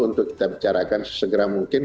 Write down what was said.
untuk kita bicarakan sesegera mungkin